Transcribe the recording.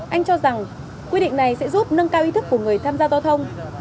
anh cho rằng quy định này sẽ giúp nâng cao ý thức của người tham gia giao thông